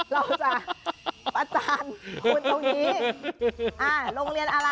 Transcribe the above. เราจะประจานคุณตรงนี้อ่าโรงเรียนอะไร